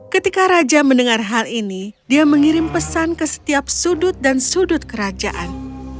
ketika raja mendengar hal ini dia mengirim pesan ke setiap sudut dan sudut kerajaan